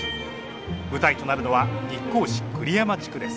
舞台となるのは日光市栗山地区です。